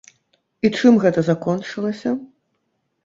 І чым гэта закончылася?